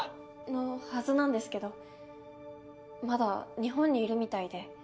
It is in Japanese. のはずなんですけどまだ日本にいるみたいで。